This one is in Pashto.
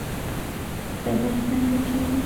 سبا څنګه کیږي؟